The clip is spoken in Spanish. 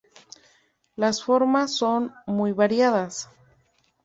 Las formas son muy variadas.